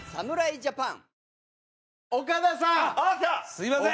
すみません！